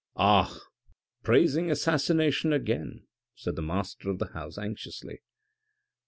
" Ah ! praising assassination again !" said the master 01" the house anxiously.